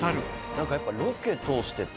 なんかやっぱロケ通してて俺。